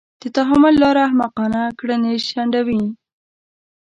د تحمل لاره احمقانه کړنې شنډوي.